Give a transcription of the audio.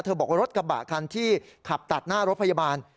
บอกว่ารถกระบะคันที่ขับตัดหน้ารถพยาบาล